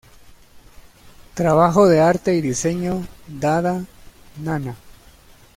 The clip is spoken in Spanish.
Trabajo de arte y diseño: Dada Nana.